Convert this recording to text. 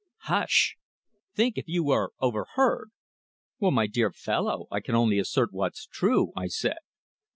"Hush! Think, if you were overheard!" "Well, my dear fellow, I only assert what's true," I said.